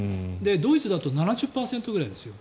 ドイツだと７０％ぐらいですよ。